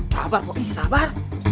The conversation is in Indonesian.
sabar pokoknya sabar